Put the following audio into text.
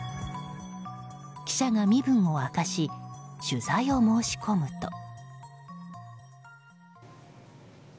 記者が身分を明かし取材を申し込むと。